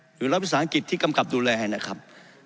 หรือรัฐศาสตร์อังกฤษที่รัฐกำกับดูแลนะครับ